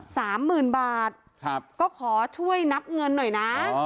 สามหมื่นบาทครับก็ขอช่วยนับเงินหน่อยนะ